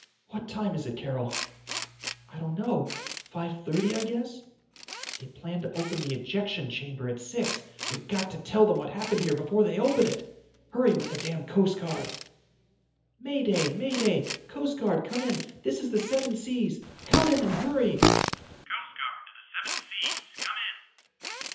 "What time is it, Carol?" "I don't know. 5:30 I guess." "They plan to open the ejection chamber at six. We've got to tell them what happened here before they open it! Hurry with the damned Coast Guard!" "May Day! May Day! Coast Guard come in. This is the Seven Seas. Come in and hurry!"